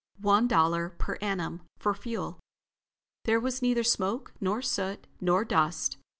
One dollar per annum for fuel. There was neither smoke, nor soot, nor dust.